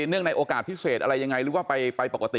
ในโอกาสพิเศษอะไรยังไงหรือว่าไปปกติ